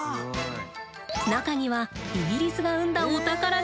中にはイギリスが生んだお宝が入っています。